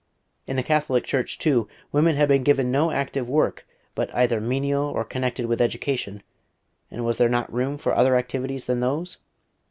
In the Catholic Church, too, woman had been given no active work but either menial or connected with education: and was there not room for other activities than those?